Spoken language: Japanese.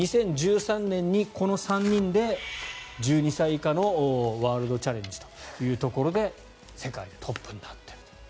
２０１３年にこの３人で１２歳以下のワールドチャレンジというところで世界でトップになっていると。